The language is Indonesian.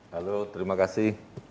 halo terima kasih